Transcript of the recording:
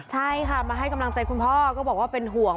ใช่ค่ะมาให้กำลังใจคุณพ่อก็บอกว่าเป็นห่วง